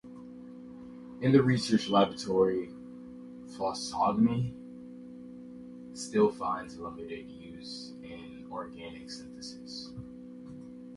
In the research laboratory phosgene still finds limited use in organic synthesis.